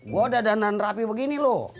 gue udah dandan rapi begini lo